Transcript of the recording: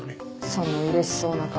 そのうれしそうな顔。